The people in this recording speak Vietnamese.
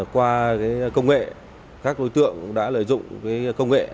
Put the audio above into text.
qua công nghệ các đối tượng đã lợi dụng công nghệ